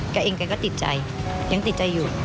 กลายเองกันก็ติดใจยังติดใจอยู่